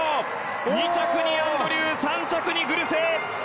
２着にアンドリュー３着にグルセ。